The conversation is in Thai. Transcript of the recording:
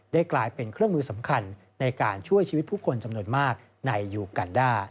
กลายเป็นเครื่องมือสำคัญในการช่วยชีวิตผู้คนจำนวนมากในยูกันด้า